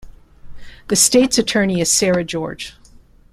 The state's attorney is Sarah George.